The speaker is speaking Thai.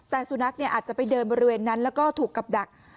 แต่สุนัขอาจจะไปเดินบริเวณนั้นแล้วก็ถูกกับดัก